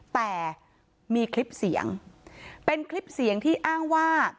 แต่มีคลิปเสียงเป็นคลิปเสียงที่อ้างว่า